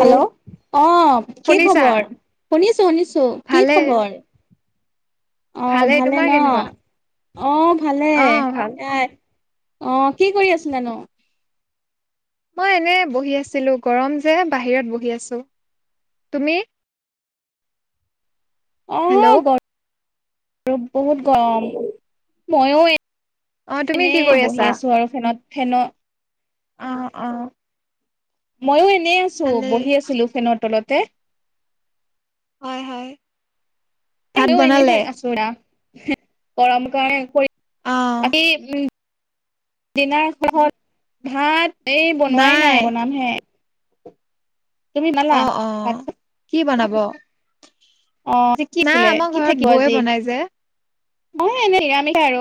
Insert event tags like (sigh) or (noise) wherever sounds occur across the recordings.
Hello অ কি শুনিছা খবৰ শুনিছো শুনিছো কি ভালে খবৰ আহ ভালে তোমাৰ ন কেনেকুৱা অ ভালে অ ভাল এয়াই অ কি কৰি আছিলা ন? মই এনে বহি আছিলো গৰম যে বাহিৰত বহি আছো তুমি অ হেল্ল' গৰম আৰু বহুত গৰম ময়ো অ তুমি কি এনেই কৰি বহি আছা আছো আৰু ফেনত ফেন অ অ ময়ো এনেই আছো ভালেই বহি আছিলো ফেনৰ তলতে হয় হয় ভাত এনেই বনালে থাক আছোৰা গৰম কাৰণ কৰি অ বাকী উম (unintelligible) দিনাৰ (unintelligible) ভাত এই বনোৱাই নাই বনাম হে। অ', ভাত অ', চাত? কি বনাব? অ, আজি কি নাই আছিলে আমাৰ কি ঘৰত থাকিব বৌয়ে আজি বনাই যে অ, এনে নিৰামিষে আৰু।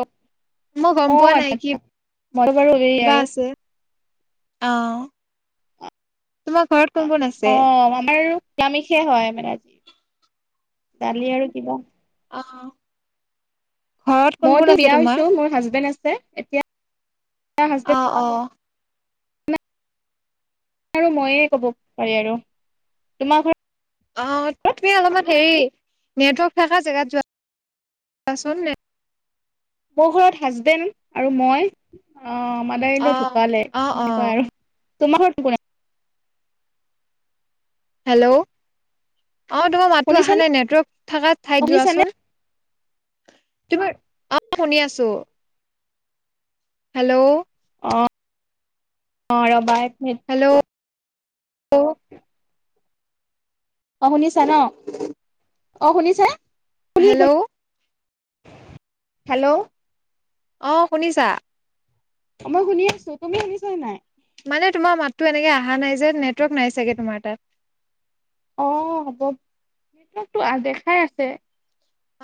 মই গম অ, পোৱা নাই কি আচ্ছা-আচ্ছা মইয়ো বাৰো এই কিবা আৰু। আছে অ, তোমাৰ ঘৰত কোন-কোন আছে? নিৰামিষেই হয় মানে আজি দালি আৰু কিবা। আহ', মইতো বিয়া হৈছো মোৰ হাজবেণ্ড আছে এতিয়া। হাজবেণ্ড অ', অ', আৰু ময়ে ক'ব পাৰি আৰু তোমাৰ ঘৰ অ, তুমি অলপমান হেৰি নেটৱৰ্ক থকা জেগাত যোৱা। (unintelligible) মোৰ ঘৰত হাজবেণ্ড আৰু মই। অ, মাদাৰহেন্তে অ', ঢুকালে অ', এনেকোৱা অ', আৰু। তোমাৰ ঘৰত কোন -কোন (unintelligible) হেল্ল', অ, তোমাৰ কোন মাততো আছে? আহা শুনিছানে নাই নেটৱৰ্ক থাকা অ ঠাইত শুনিছানে যোৱাচোন তু (unintelligible) অ, শুনি আছো। হেল্ল', অ', অ', ৰবা এক মিনিট। অ', অ, শুনিছা ন অ, শুনিছা? শুনি হেল্ল', শুনি হেল্ল', অ, শুনিছা? মই শুনি আছো তুমি শুনিছ নাই? মানে তোমাৰ মাততো এনেকে অহা নাই যে নেটৱৰ্ক নাই চাগে তোমাৰ তাত? অ, হ'ব নেটতো আ দেখাই আছে।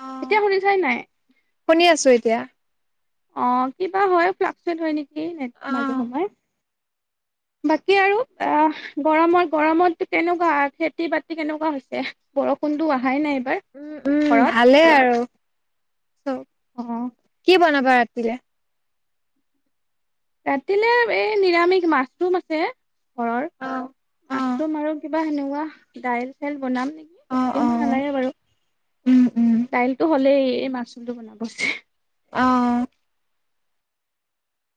অ', এতিয়া শুনিচা নে নাই? শুনি আছো এতিয়া। অ, কিবা হয় ফ্লাকট হয় নেকি নেট মাজে অ', সময়ে। বাকী আৰু অ গৰমত - গৰমত কেনেকুৱা খেতি বাতি কেনেকুৱা হৈছে। বৰষুনটো অহাই নাই। এইবাৰ উম-উম ঘৰত ভালেই আৰু চব। অহ ', কি বনাবা ৰাতিলে? ৰাতিলে এই নিৰামিষ মাছৰুম আছে ঘৰৰ অ', অ', মাছৰুম আৰু কিবা সনেকুৱা দাইল চাইল বনাম নেকি অ', বেছি সময় অ', নালাগে বাৰু উম, উম, দাইলটো হ'লে এই মাচৰুমটো বনাব অ ',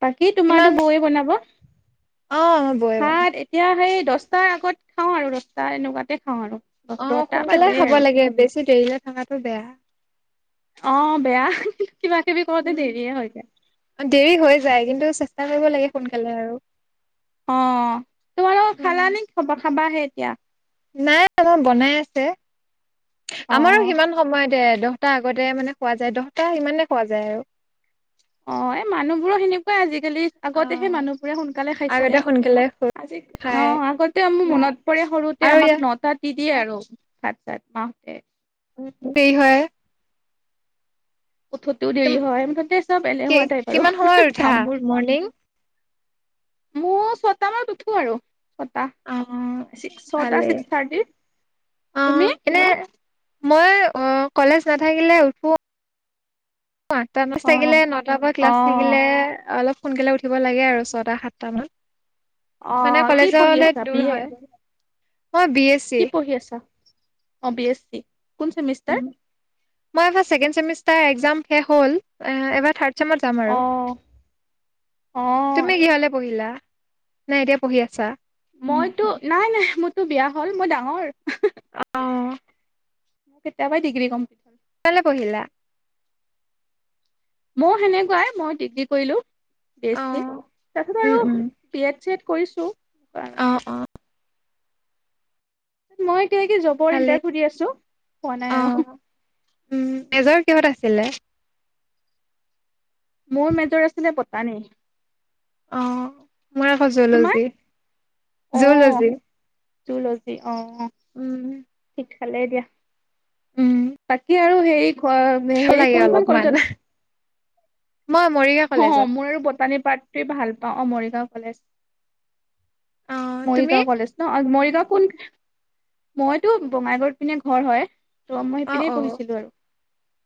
বাকী তোমাৰো কিমান তো বৌয়ে বনাব। অ, বয়ে বনাব। ভাত এতিয়া সেই দহটাৰ আগত খাওঁ আৰু দসটা এনেকুৱাতে খাওঁ আৰু। অ, দহটা সোনকালে বাজে খাব আৰু লাগে বেছি দেৰিলে থকাাতটো বেয়া। আহ বেয়া। কিবা কিবি কৰোতে উম দেৰিয়ে হৈ যায় দেৰি হৈ যায় গে কিন্তু চেষ্টা কৰিব লাগে সোনকালে আৰু। অ', তোমালোক খালা উম নে খা-খাবাহে এতিয়া? নাই আমাৰ বনাই আছে, অ আমাৰো সিমান সময়তে এ দ দশটা আগতে মানে খোৱা যায় দহটা সিমানে খোৱা যায় আৰু। অ', এই মানুহবোৰো সেনেকোৱাই আজিকালি আগতে সেই আৰু মানুহবোৰে সোনকালে আগতে খাইছিলে। সোনকালে খাই অ', আগতে মোৰ উম মনত পৰে সৰুতে আৰু আমাক ইয়াত নটা দি দিয়ে আৰু, ভাত চাত মাহতে। দেৰি হয়। উঠোতেও দেৰি তুম হয় মুঠতে চব কি এলেহুৱা টাইপ আৰু, কিমান সময়ত উঠা কামবোৰ। মৰ্ণিং মোৰ ছটা মানত উঠো আৰু। ছটা, অ ছিক্স ছটা ভালেই ছিক্স থাৰ্টিত, অ তুমি? এনে মই অ, কলেজ নাথাকিলে উঠো। অ', আঠটা অ (unintelligible) থাকিলে নটাৰ পৰা অ ক্লাছ থাকিলে অলপ সোনকালে উঠিব লাগে আৰু ছয়টা সাতটা অ মানত। মানে কি পঢ়ি কলেজৰলে আছা বি দূৰ এ হয়, অ, বি এছ চি। কি পঢ়ি আছা অ', বি এছ চি। কোন চেমিষ্টাৰ? উম, মই এইবাৰ ছেকেন্দ চেমিষ্টাৰ একজাম শেষ হ'ল, এ এবাৰ থাৰ্ড (unintelligible) যাম অ আৰু, অ তুমি আচ্ছা কিহলে পঢ়িলা? নে এতিয়া পঢ়ি আছা? মইতো নাই নাই মোৰতো বিয়া হ'ল মই ডাঙৰ। অ', কেতিয়াবাই ডিগ্ৰী কম্প (unintelligible) পঢ়িলা? মই সেনেকোৱাই মই ডিগ্ৰী কৰিলোঁ, বি এছ অ চি, তাৰপিছত উম আৰু, উম বি এড চি এড কৰিছোঁ। আৰু অ', অ, মই এতিয়া-এতিয়া জবৰ ভালে ইন্টাৰভিউ দি আছোঁ, পোৱা অ নাই আৰু। উম মেজৰ কিহত আছিলে? মোৰ মেজৰ আছিলে বটানী। অ', মই আকৌ তোমাৰ জুঅ'লজি, জুঅ'লজি। জুঅ'জী অ, অ, সি খালে দিয়া, উম বাকী আৰু অ', ভাল হেৰি লাগে কোনখন অলপমান কলেজত মই মৰিগাঁও অ', কলেজত মোৰ আৰু বটানী পাৰ্টটোৱে ভাল পাওঁ অ, মৰিগাঁওৰ কলেজ। অ তুমি? মৰিগাঁও কলেজ ন' মৰিগ (unintelligible) কোন, মইতো বঙাইগাঁওত পিনে ঘৰ হয়। ত' মই অ ইপিনে অ পঢ়িছিলোঁ আৰু।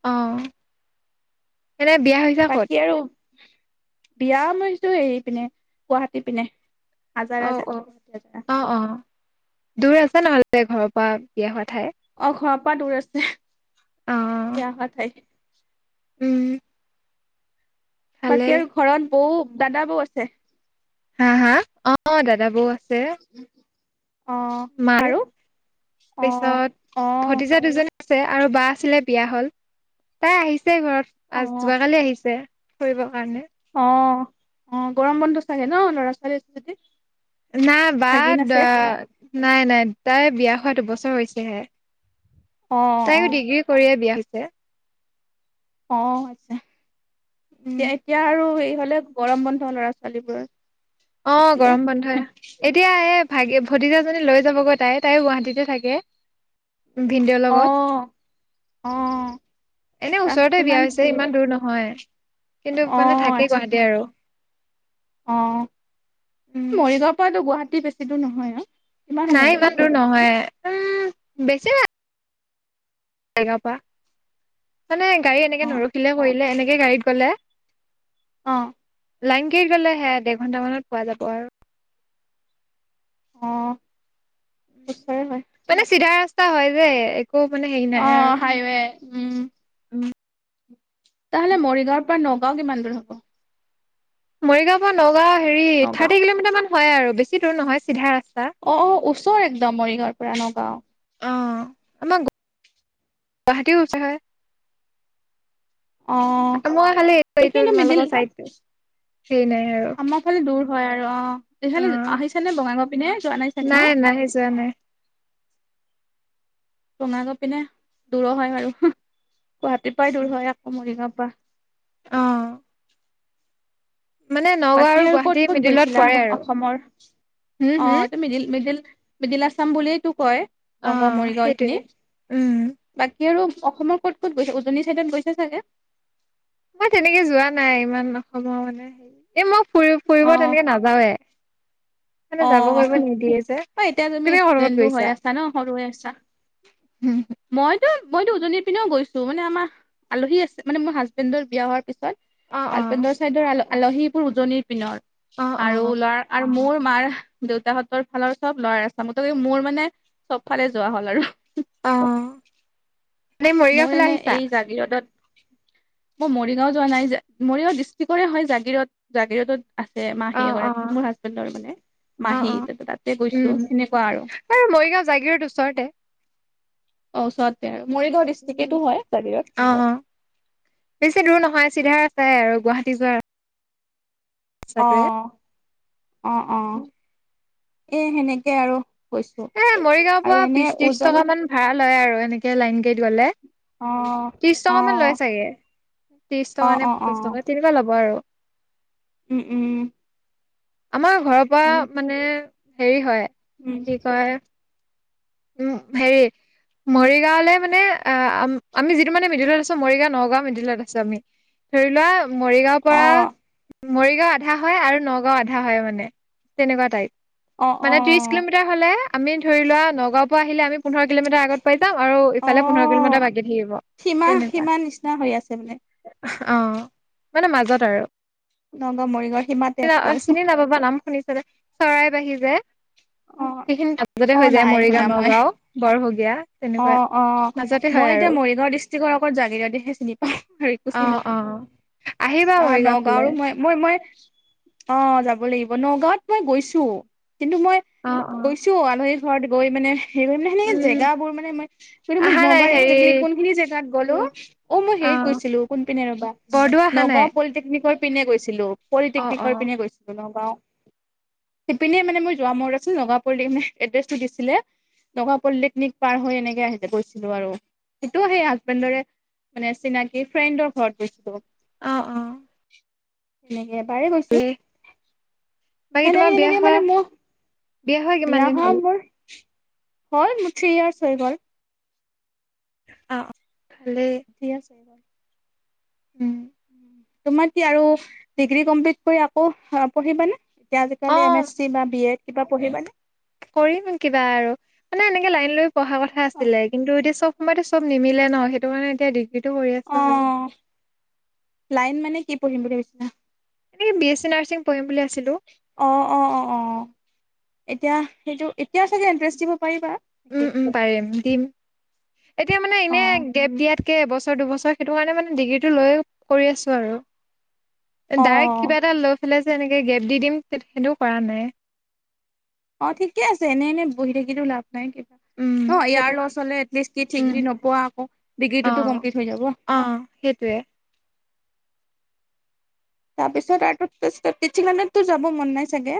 অ এনে বিয়া হৈছে ক'ত? বাকী আৰু বিয়া মই হৈছোঁ হেৰি পিনে, গুৱাহাটী পিনে। অ আজাৰা যে অ (unintelligible) অ অ দূৰ আছে নহ'লে ঘৰৰ পৰা বিয়া হয়। অ', ঘৰৰ পৰা দূৰ আছে, অ বিয়া হোৱা ঠাই। উম, ভালে বাকী আৰু ঘৰত বৌ, দাদা বৌ আছে। (unintelligible) অ, অ, দাদা বৌ (unintelligible) মাৰ আৰু অ পিছত অ ভতিজা দুজনী আছে আৰু বা আছিলে বিয়া হল তাই আহিছে ঘৰত অ আ যোৱাকালি আহিছে ফুৰিবৰ কাৰণে অ অ গৰম বন্ধ চাগে ন ল'ৰা ছোৱালী আছে যদি নাই বা ভাগিন দ আছে নাই নাই তাই বিয়া হোৱা দুবছৰ হৈছেহে অ অ তাইও ডিগ্ৰী কৰিয়ে বিয়া হৈছ ছে অ আচ্ছা উম এয়া এতিয়া আৰু এই হলেত গৰম বন্ধ ল'ৰা-ছোৱালীবোৰৰ অ গৰম বন্ধই, এতিয়া এই ভাগে ভতিজাজনী লৈ যাবগৈ তাই তায়ো গুৱাহাটীতে থাকে। ভিনদেউৰ অ লগত। অ এনে তাহ ওচৰতে বিয়া কিমান হৈছে, হেৰি ইমান দূৰ নহয় কিন্তু মানে থাকে গুৱাহাটী আৰু উম অ' মৰিগাঁওৰ পৰাতো গুৱাহাটী বেছি দূৰ নহয় আৰু নাই ইমান দূৰ নহয় উম' বেছি জেগাৰ পৰা মানে গাড়ী এনেকে অঁ নৰখিলে কৰিলে এনেকে গাড়ীত গ'লে অ'। লাইন গাড়ীত গ'লে সে আৰু ডেৰ ঘণ্টা মানত পোৱা যাব আৰু অহ। মানে চিধা ৰাস্তা হয় যে একো মানে হেৰি নাই অঁ আৰু হাইৱে উম'। উম'। তহ'লে মৰিগাঁৱৰ পৰা নগাঁও কিমান দূৰ হ'ব? মৰিগাঁওৰ পৰা নগাঁও হেৰি থাৰ্টি নগাঁও কিলোমিটাৰ মান হয় আৰু বেছি দূৰ নহয় চিধা ৰাস্তা। অ', - অ' ওচৰ একদম মৰিগাঁৱৰ পৰা নগাঁও অ আমাৰ গুৱাহাটীও ওচৰ হয়। অঁ মই খালি এইটো এইখিনিতো মিডিল তোমালোকৰ চাইছো, সেই নাই আৰু আমাৰ ফালে দূৰ হয় আৰু অ' অ ইফালে আহিছানে বঙাইগাঁও পিনে যোৱা নাই চাগে ন' নাই যোৱা নাই বঙাইগাঁও পিনে দূৰো হয় বাৰু গুৱাহাটীৰ পৰাই দূৰ হয় আকৌ মৰিগাঁও বাহ। অহ। বাকী আৰু গুৱাহাটী ক'ত ক'ত মিডিলত গৈছিলা, পৰে আৰু অসমৰ হম হম অটো মিডিল, মিডিল মিডিল আছাম বুলিয়ে তটো কয় অ নগাঁও, মৰিগাঁও এইখিনি সেইটোৱে উম বাকী সি আৰু অসমৰ ক'ত, ক'ত গৈছে। উজনি চাইডত গৈছে চাগে মই তেনেকে যোৱা নাই ইমান অসমৰ মানে হেৰি এই মই ফুৰিব, অ ফুৰিব তেনেকে নাযাওৱে মানে যাব কৰিব নিদিয়ে যে অ' এতিয়া তুমি কৰ লগত এক্সিডেণ্টো হৈ গৈছা আছা ন' সৰু হৈ আছা। মই তোন। মইতো উজনিৰ পিনেও গৈছো, মানে আমাৰ আলহী আছে মানে, মোৰ হাজবেণ্ডৰ বিয়া হোৱাৰ পিছত অ অ হাজবেণ্ডৰ চাইদৰ আলহীবোৰ উজনিৰ পিনৰ অ অ আৰু ল'ৰা আৰু মোৰ মাৰ দেউতাহতৰ ফালৰ চব ল'ৱাৰ এছামৰ, মোৰ মানে চব ফালে যোৱা হ'ল আৰু অ নে মৰিগাঁও মই ফালে এনে আহিছা এই জাগিৰোডত মই মৰিগাঁও যোৱা নাই যে, মৰিগাও ডিষ্ট্ৰিকৰে হয় জাগিৰোড, জাগিৰোডত আছে অ মাহী অ এগৰাকী মোৰ হাজবেণ্ডৰ মানে মাহী অ', তাতে -অ' গৈছো উম সেনেকুৱা আৰু এই মৰিগাঁও, জাগিৰোড ওচৰতে অ' ওচৰতে আৰু মৰিগাঁও ডিষ্ট্ৰিকেটো হয় জাগিৰোড অ', -অ' বেছি দূৰ নহয় চিধা চাই আৰু গুৱাহাটী যোৱা অ', টোৱে -অ', - অ' এ সেনেকে আৰু গৈছো এ মৰিগাঁওৰ আৰু পৰা এনে বিশ, ত্ৰিশ উজনি টকা মান ভাড়া লয় আৰু এনেকে লাইন গাড়ীত গ'লে। অ ত্ৰিশ অ টকা মান লয় চাগে, ত্ৰিশ অ টকা নে অ অ পঞ্চাশ টকা তেনেকুৱা ল'ব আৰু উম, উম উ আমাৰ ঘৰৰ পৰা মানে হেৰি হয় উম কি কয় উম, হেৰি। মৰিগাঁওলৈ মানে আমি যিটো মানে মিডিলত আছো। মৰিগাঁও, নগাঁও মিডিলত আছো আমি। ধৰি ল' মৰিগাঁওৰ অ পৰা মৰিগাঁও আধা হয় আৰু নগাঁও আধা হয় মানে তেনেকুৱা টাইপ অ অ মানে ত্ৰিশ কিলোমিটাৰ হলে আমি ধৰি লোৱা নগাঁওৰ পৰা আহিলে আমি পোন্ধৰ কিলোমিটাৰ আগত পাই যাম আৰু অ ইফালে পোন্ধৰ কিলোমিটাৰ বাকী থাকিব তেনেকুৱা বোলে। অ মানে মাজত আৰু নগাঁও মৰিগাঁওৰ সীমাতে আছে আৰু চিনি নাপাবা নাম শুনিছা নে চৰাই পাহি যে অ সেইখিনি তাৰ মাজতে অ হৈ যায় নাই মৰি শুনা মই নগাঁও, বৰভগীয়া, অ তেনেকুৱা অ মাজতে মই হয় এতিয়া আৰু। মৰিগাঁও ডিষ্ট্ৰিক্টৰ অকল জাগিৰোডহে চিনি পাওঁ আৰু একো চিনি অ' নাপাওঁ অ' আহিবা অ মৰিগাঁও ফালে। নগাঁওৰো মই মই মই, অ' যাব লাগিব, নগাঁৱত মই গৈছোঁ। কিন্তু মই অ অ গৈছোঁ। আলহীৰ ঘৰত গৈ মানে, সেই মানে হেনেকে উম জেগাবোৰ মানে মই কিন্তু মই আহা নাই নগাঁওৰ হেৰি একজেক্টলি কোনখিনি জেগাত গ'লো অ' মই হেৰিত গৈছিলো, কোনপিনে ৰবা! বৰদোৱা অহা নাই নগাঁও পলিটেকনিকৰ পিনে গৈছিলো। অ অ পলিটেকনিকৰ পিনে গৈছিলো নগাঁওৰ। সেইপিনে মানে মই যোৱা (unintelligible) (unintelligible) মানে এড্ৰেছটো দিছিলে। নগা পলিটেকনিক পাৰ হৈ এনেকে আহ গৈছিলো আৰু। সেইটো সেই হাজবেণ্ডৰে মানে চিনাকি ফ্ৰেণ্ডৰ ঘৰত গৈছিলোঁ। আহ, অ'। এনেকে এবাৰেই গৈছো, ভালেই বাকী সেনেকে তোমাৰ বিয়া সেনেকে হোৱা মানে মোৰ হোৱা কিমান বিয়া দিন হোৱা হ'ল মোৰ হ'ল মোৰ থ্ৰী য়েৰৰ্চ হৈ গ'ল। আ' অ'। ভালেই থ্ৰী য়েৰৰ্চ হৈ গল। উম, তোমাৰ কি আৰু ডিগ্ৰী কমপ্লিট কৰি আকৌ পঢ়িবানে? এতিয়া আজিকালি এম এছ চি বা বি এড কিবা অ' পঢ়িবানে কৰিম কিবা আৰু মানে এনে লাইন লৈ পঢ়া কথা অ আছিলে। কিন্তু এতিয়া চব সময়তো চব নিমিলে ন সেইটো কাৰণে এতিয়া ডি গ্ৰীটো কৰি অ আছো আৰু। লাইন মানে কি পঢ়িম বুলি ভাবিছিলা? এনেক বি এছ চি নাৰ্চিং পঢ়িম বুলি আ অ' অ' অ' অ', এতিয়া সেইটো এতিয়াও চাগে এণ্ট্ৰেঞ্চ দিব পাৰিবা। নেকি উম, উম পাৰিম, দিম। এতিয়া মানে, এনে অ গেপ দিয়াত এবছৰ দুবছৰ সেইটো কাৰণে মানে ডিগ্ৰীটো লৈ কৰি আছো আৰু ডাইৰেক্ট অ কিবা এটা লৈ পেলাই যে এনেকে গেপ দি দিম সেইটোও কৰা নাই অ ঠিকে আছে এনে এনেই বহি থাকিো লাভ নাই কিবা উম, অ সেইটো ইয়াৰ লছ হলে এটলিষ্ট কি ঠিক যদি উম, নোপোৱা আকৌ ডিগ্ৰীটোতো অ', কমপ্লিট হৈ যাব অ', সেইটোৱে তাৰপিছত আৰু পিঠানততো যাব মন নাই চাগে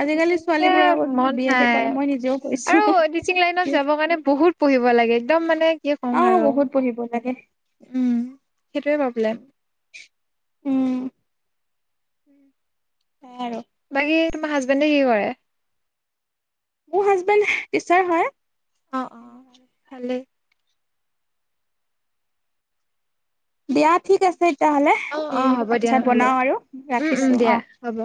আজিকালি তেনে ছোৱালীবোৰে আকৌ মন বি এডে নাই কৰে মই নিজেও কৰিছো আৰু টিচিং লাইনত যাব কাৰণে বহুত পঢ়িব লাগে একদম মানে কি অ ক'ম আৰু বহুত পঢ়িব লাগে উম সেইটোৱে প্ৰব্লেম উম উম ব আৰু বাকী তোমাৰ হাজবেণ্ডে কি কৰে মোৰ হাজবেণ্ড টিচাৰ হয় অ অ ভালেই দিয়া ঠিক আছে তেতিয়াহ'লে অ অ এই হ'ব ভাত দিয়া চাত নহ'লে বনাওঁ আৰু উম উম ৰাখিছোঁ অ দিয়া হ'ব